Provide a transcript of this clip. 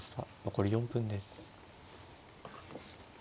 残り４分です。